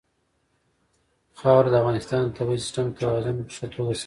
خاوره د افغانستان د طبعي سیسټم توازن په ښه توګه ساتي.